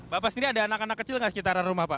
bapak sendiri ada anak anak kecil nggak sekitaran rumah pak